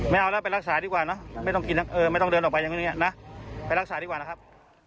ไม่เอาแล้วไปรักษาดีกว่าเนอะไม่ต้องกินไม่ต้องเดินออกไปอย่างนี้นะไปรักษาดีกว่านะครับ